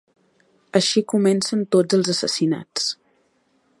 Així comencen tots els assassinats.